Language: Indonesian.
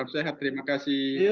sehat terima kasih